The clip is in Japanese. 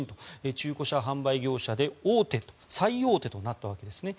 中古車販売業者で最大手となったわけです。